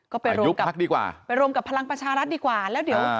ก็ไปรวมกับไปรวมกับพลังประชารัฐดีกว่าแล้วเดี๋ยว